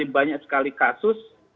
banyak sekali kasus